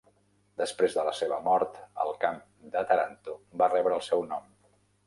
Després de la seva mort, el camp de Taranto va rebre el seu nom.